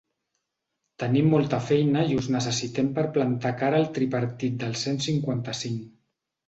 Tenim molta feina i us necessitem per plantar cara al tripartit del cent cinquanta-cinc.